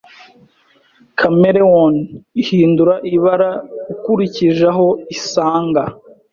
Chameleone ihindura ibara ukurikije aho isanga.